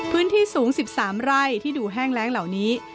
พื้นที่สูง๑๓ไร่ที่ดูแห้งแรงเหล่านี้